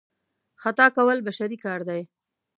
خطا کول بشري کار دی.